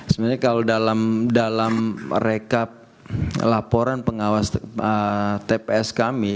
sebenarnya kalau dalam rekap laporan pengawas tps kami